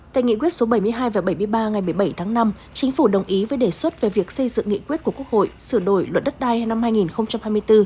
tại nghị quyết số bảy mươi hai và bảy mươi ba ngày một mươi bảy tháng năm chính phủ đồng ý với đề xuất về việc xây dựng nghị quyết của quốc hội sửa đổi luật đất đai năm hai nghìn hai mươi bốn